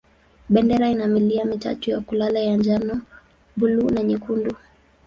Bendera ina milia mitatu ya kulala ya njano, buluu na nyekundu.